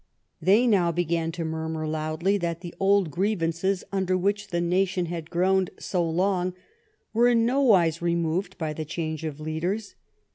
They now began to murmur loudly that the old grievances under which the nation had groaned so long were in no wise removed by the change of leaders.